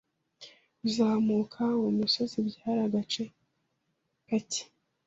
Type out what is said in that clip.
Kuzamuka uwo musozi byari agace kake.